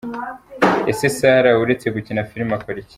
Ese Sarah uretse Gukina filime akora iki?.